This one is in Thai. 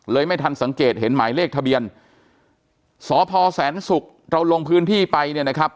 ไม่ทันสังเกตเห็นหมายเลขทะเบียนสพแสนศุกร์เราลงพื้นที่ไปเนี่ยนะครับ